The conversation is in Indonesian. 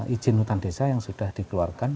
izin hutan desa yang sudah dikeluarkan